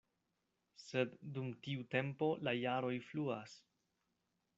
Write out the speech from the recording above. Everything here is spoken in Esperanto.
Sed dum tiu tempo la jaroj fluas.